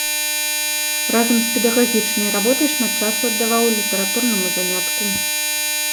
Разам з педагагічнай работай шмат часу аддаваў літаратурнаму занятку.